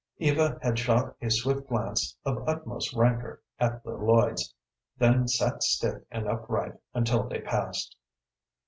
Eva had shot a swift glance of utmost rancor at the Lloyds, then sat stiff and upright until they passed.